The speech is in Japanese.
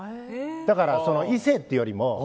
だから異性っていうよりも。